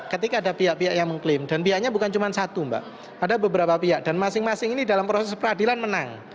ketika ada pihak pihak yang mengklaim dan pihaknya bukan cuma satu mbak ada beberapa pihak dan masing masing ini dalam proses peradilan menang